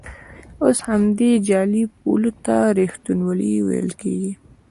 اوس همدې جعلي پولو ته ریښتینولي ویل کېږي.